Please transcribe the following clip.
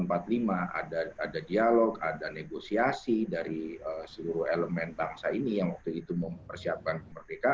ada dialog ada negosiasi dari seluruh elemen bangsa ini yang waktu itu mempersiapkan kemerdekaan